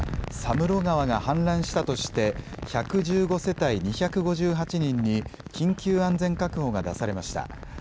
いすみ市の佐室地区では佐室川が氾濫したとして１１５世帯２５８人に緊急安全確保が出されました。